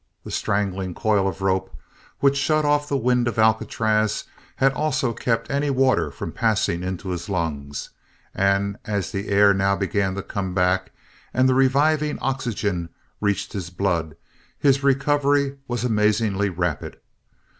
The strangling coil of rope which shut off the wind of Alcatraz had also kept any water from passing into his lungs, and as the air now began to come back and the reviving oxygen reached his blood, his recovery was amazingly rapid.